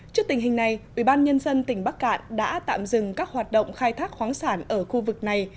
trước tình hình này ubnd tỉnh bắc cạn đã tạm dừng các hoạt động khai thác khoáng sản ở khu vực này